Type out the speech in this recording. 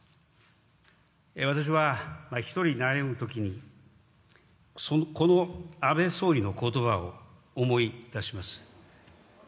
私は１人悩むときに、この安倍総理のことばを思い出します。